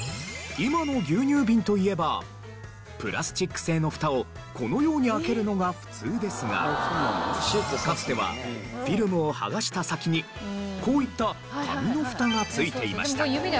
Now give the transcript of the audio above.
今の牛乳瓶といえばプラスチック製の蓋をこのように開けるのが普通ですがかつてはフィルムを剥がした先にこういった紙の蓋がついていました。